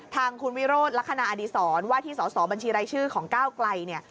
ทางคุณวิโรธลักษณะอดีศรว่าที่สอสอบัญชีรายชื่อของก้าวไกลเนี่ย